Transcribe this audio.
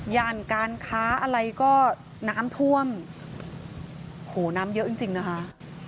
ย่านการค้าอะไรก็น้ำท่วมโอ้โหน้ำเยอะจริงจริงนะคะ